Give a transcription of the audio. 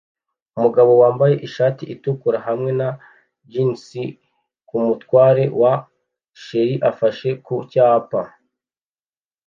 Umugabo wambaye ishati itukura hamwe na jeans kumutware wa cheri afashe ku cyapa